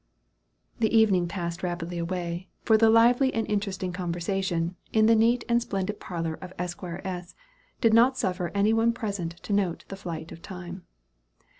The evening passed rapidly away, for the lively and interesting conversation, in the neat and splendid parlor of Esq. S., did not suffer any one present to note the flight of time.